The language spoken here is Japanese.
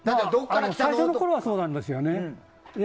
最初のころはそうなんですよね。